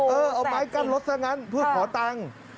เออเอาไม้กั้นรถซะงั้นเพื่อขอตังค์